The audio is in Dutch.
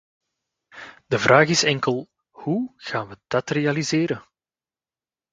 De vraag is enkel: hoe gaan we dat realiseren?